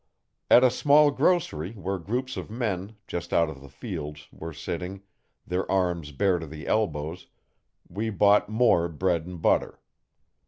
At a small grocery where groups of men, just out of the fields, were sitting, their arms bare to the elbows, we bought more bread and butter.